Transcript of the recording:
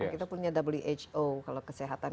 kita punya who kalau kesehatan